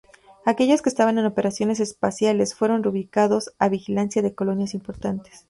Aquellos que estaban en operaciones espaciales fueron reubicados a vigilancia de colonias importantes.